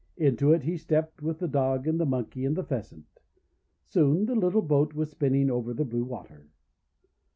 Into it he stepped with the Dog and the Monkey and the Pheasant. Soon the little boat was spinning over the blue water.